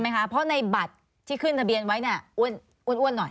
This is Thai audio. เพราะในบัตรที่ขึ้นทะเบียนไว้เนี่ยอ้วนหน่อย